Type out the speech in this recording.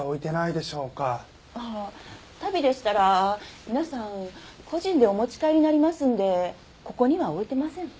ああ足袋でしたら皆さん個人でお持ち帰りになりますのでここには置いてません。